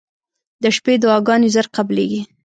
• د شپې دعاګانې زر قبلېږي.